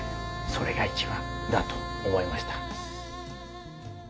それが一番だと思いました。